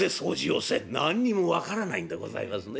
何にも分からないんでございますね。